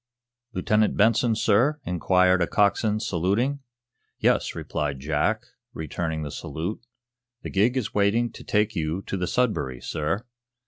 "Lieutenant Benson, sir?" inquired a coxswain, saluting. "Yes," replied Jack, returning the salute. "The gig is waiting to take you to the 'Sudbury' sir."